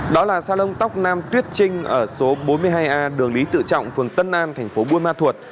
đó là salon tóc nam tuyết trinh ở số bốn mươi hai a đường lý tự trọng phường tân an thành phố buôn ma thuột